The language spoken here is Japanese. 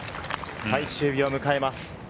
最終日を迎えます。